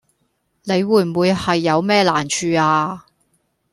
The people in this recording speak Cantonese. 你會唔會係有咩難處呀